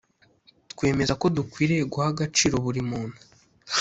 twemeza ko dukwiriye guha agaciro burimuntu